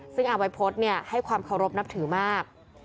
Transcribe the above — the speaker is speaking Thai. ซึ่งอาวัยพจน์เนี่ยให้ความเคารพนับถือมาก